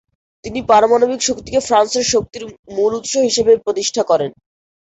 তিনি পারমাণবিক শক্তিকে ফ্রান্সের শক্তির মূল উৎস হিসেবে প্রতিষ্ঠা করেন।